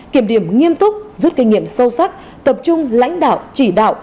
kiểm điểm nghiêm túc rút kinh nghiệm sâu sắc tập trung lãnh đạo chỉ đạo